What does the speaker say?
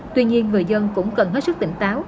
tuy nhiên người dân cũng cần hết sức tỉnh táo